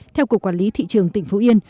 theo cục quản lý thị trường tỉnh phú yên